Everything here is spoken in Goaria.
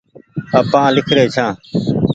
آپآن ليکري ڇآن